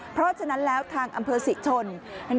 เพราะฉะนั้นแล้วทางอำเภอศิษย์ชนภายป้อง